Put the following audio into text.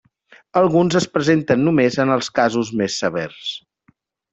Alguns es presenten només en els casos més severs.